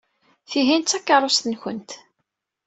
Tihin d takeṛṛust-nwent.